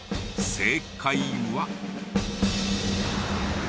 正解は。